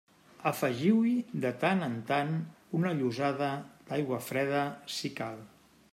Afegiu-hi de tant en tant una llossada d'aigua freda si cal.